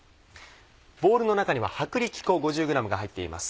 ボウルの中には薄力粉５０ｇが入っています。